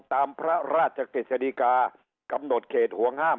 ตามพระราชกฤษฎีกากำหนดเขตห่วงห้าม